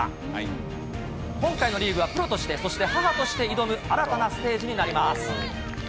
今回のリーグはプロとして、そして母として挑む新たなステージになります。